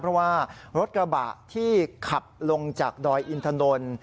เพราะว่ารถกระบะที่ขับลงจากดอยอินทนนท์